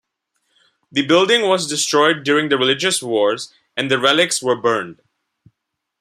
The building was destroyed during the religious wars and the relics were burned.